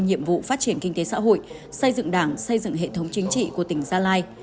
nhiệm vụ phát triển kinh tế xã hội xây dựng đảng xây dựng hệ thống chính trị của tỉnh gia lai